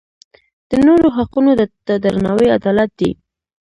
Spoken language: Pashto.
د نورو حقونو ته درناوی عدالت دی.